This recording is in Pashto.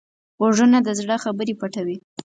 غوږونه د زړه خبرې پټوي